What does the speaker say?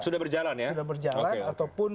sudah berjalan ya sudah berjalan ataupun